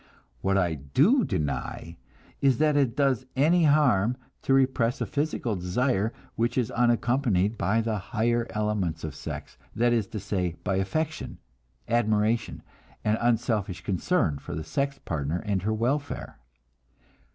What I do deny is that it does any harm to repress a physical desire which is unaccompanied by the higher elements of sex; that is to say, by affection, admiration, and unselfish concern for the sex partner and her welfare.